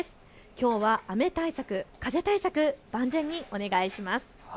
きょうは雨対策、風対策、万全にお願いします。